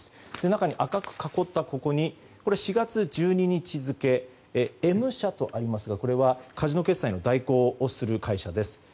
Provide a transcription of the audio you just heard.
中に、赤く囲ったここに４月１２日付Ｍ社とありますが、これはカジノ決済の代行をする会社。